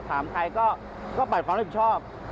ถามใครก็ปล่อยความรับผิดชอบ